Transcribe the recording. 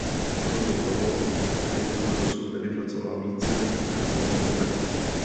Kromě toho agentura dosud nevypracovala víceletý pracovní program.